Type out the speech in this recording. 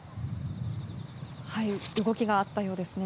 動きがあったようですね。